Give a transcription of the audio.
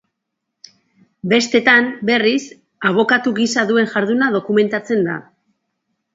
Bestetan, berriz, abokatu gisa duen jarduna dokumentatzen da.